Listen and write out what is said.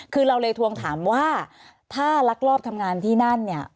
คือเราเลยทวงถามว่าถ้าลักลอบทำงานที่นั่นเนี่ย